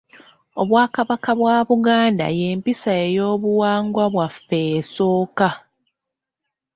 Obwakabaka bwa Buganda y’empisa ey’obuwangwa bwaffe esooka.